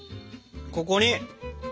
ここに！